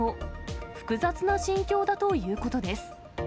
複雑な心境だということです。